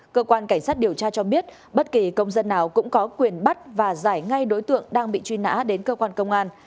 cơ quan cảnh sát điều tra cho biết bất kỳ công dân nào cũng có quyền bắt và giải ngay đối tượng đang bị truy nã đến cơ quan công an